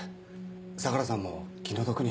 相良さんも気の毒に。